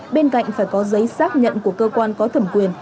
bên cạnh phải có giấy xác nhận của cơ quan có thẩm quyền